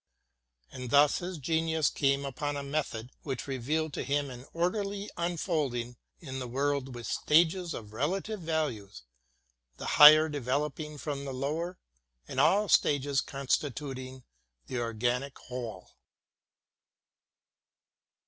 And thus his genius came upon a method which revealed to him an orderly un folding in the world with stages of relative values, the higher developing from the lower, and all stages constitut ing an organic whole.